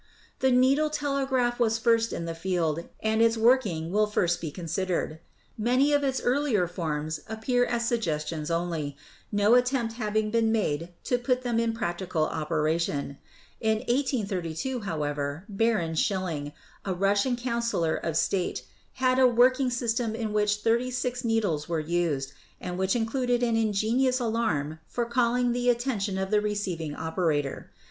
The needle telegraph was first in the field, and its work ing will first be considered. Many of its earlier forms appear as suggestions only, no attempt having been made to put them in practical operation. In 1832, however, Baron Schilling, a Russian counselor of state, had a working system in which thirty six needles were used, and which included an ingenious alarm for calling the attention of the receiving operator.